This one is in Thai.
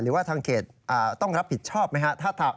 หรือว่าทางเขตต้องรับผิดชอบไหมครับ